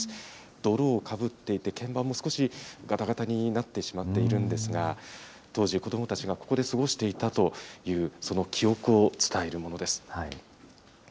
泥をかぶっていて、鍵盤も少しがたがたになってしまっているんですが、当時、子どもたちがここで過ごしていたという、その記憶を伝えるものです。